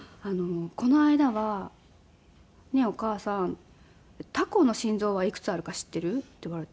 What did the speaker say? この間は「ねえお母さんタコの心臓はいくつあるか知っている？」って言われて。